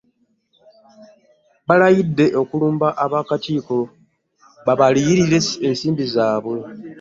Balayidde okulumba ab'akakiiko kabaliyirire ensimbi zaabwe